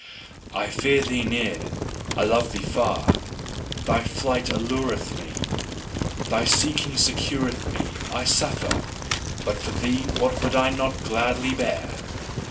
I fear thee near, I love thee far; thy flight allureth me, thy seeking secureth me: I suffer, but for thee, what would I not gladly bear!